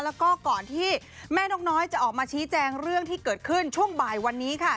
แล้วก็ก่อนที่แม่นกน้อยจะออกมาชี้แจงเรื่องที่เกิดขึ้นช่วงบ่ายวันนี้ค่ะ